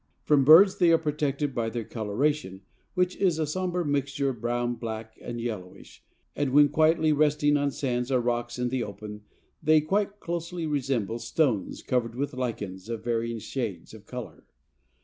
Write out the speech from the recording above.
From birds they are protected by their coloration, which is a somber mixture of brown, black and yellowish, and when quietly resting on sands or rocks in the open they quite closely resemble stones covered with lichens of varying shades of color.